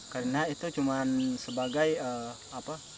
karena itu cuma sebagai apa